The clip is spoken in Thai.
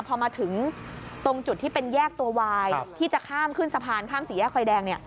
พอมาถึงตรงจุดที่เป็นแยกตัววายที่จะข้ามขึ้นสะพานข้ามสี่แยกไฟแดง